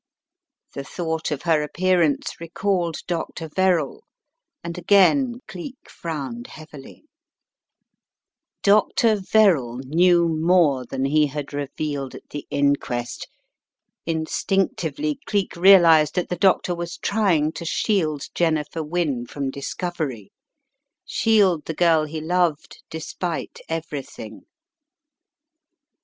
The thought of her appearance recalled Dr. Verrall and again Cleek frowned heavily. Dr. Verrall knew more than he had revealed at the inquest. Instinctively Cleek realized that the doctor was trying to shield Jennifer Wynne from discovery, shield the girl he loved despite every thing.